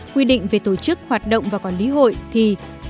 quy định về tổ chức hoạt động và quản lý hội thì